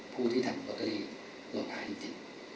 ผู้ที่ทำกรดตรีลงทางจิต